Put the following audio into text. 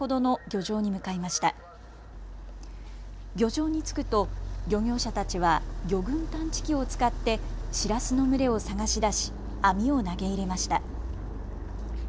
漁場に着くと漁業者たちは魚群探知機を使ってしらすの群れを探し出し網を投げ入れました。